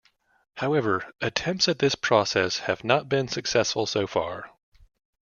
However, attempts at this process have not been successful so far.